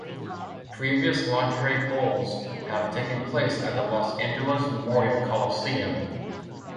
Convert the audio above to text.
Previous Lingerie Bowls have taken place at the Los Angeles Memorial Coliseum.